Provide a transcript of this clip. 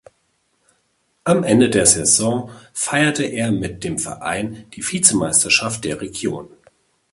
Am Ende der Saison feierte er mit dem Verein die Vizemeisterschaft der Region.